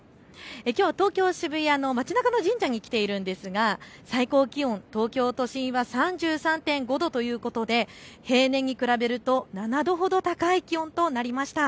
きょう、東京渋谷の街なかの神社に来ているんですが、最高気温、東京都心は３３．５度ということで平年に比べると７度ほど高い気温となりました。